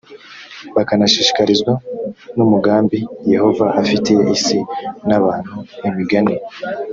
bakanashishikazwa n umugambi yehova afitiye isi n abantu imigani